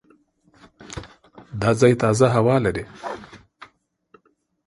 دا ځای تازه هوا لري.